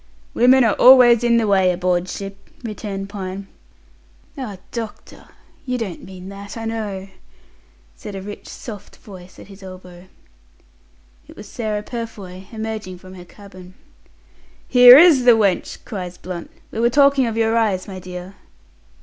"Women are always in the way aboard ship," returned Pine. "Ah! Doctor, you don't mean that, I know," said a rich soft voice at his elbow. It was Sarah Purfoy emerging from her cabin. "Here is the wench!" cries Blunt. "We are talking of your eyes, my dear."